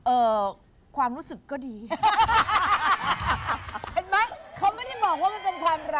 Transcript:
เอ่อความรู้สึกก็ดีเห็นไหมเขาไม่ได้มองว่ามันเป็นความรัก